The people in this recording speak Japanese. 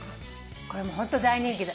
これもホント大人気で。